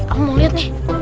aku mau lihat nih